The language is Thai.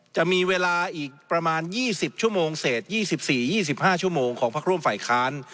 จะมีเวลาอีกประมาณ๒๐ชั่วโมงเศษ๒๔๒๕ชั่วโมงของพักร่วมฝ่ายค้าน